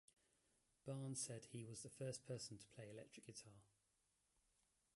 Barnes said that he was the first person to play electric guitar.